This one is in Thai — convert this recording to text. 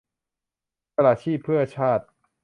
สละชีพเพื่อชาติ